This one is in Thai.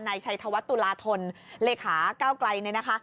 นายชัยธวัฒน์ตุลาธนเลขาเก้าไกลเนี่ยนะคะ